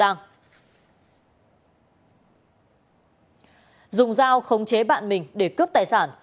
hùng thủ đã dùng dao khống chế bạn mình để cướp tài sản